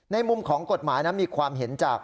มุมของกฎหมายนะมีความเห็นจาก